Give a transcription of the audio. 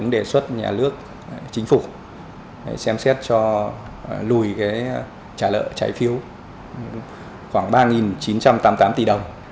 đề xuất nhà nước chính phủ xem xét cho lùi trả lợi trái phiếu khoảng ba chín trăm tám mươi tám tỷ đồng